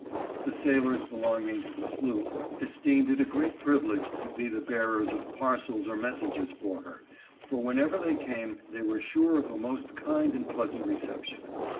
The sailors belonging to the sloop esteemed it a great privilege to be the bearers of parcels or mes sages for her, for whenever they came, they were sure of a most kind and pleasant reception.